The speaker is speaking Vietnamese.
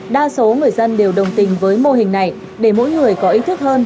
đa số người dân đều đồng tình với mô hình này để mỗi người có ý thức hơn